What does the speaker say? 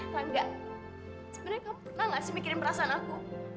rangga sebenernya kamu pernah nggak sih mikirin perasaan aku